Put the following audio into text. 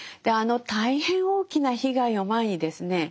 あの大変大きな被害を前にですね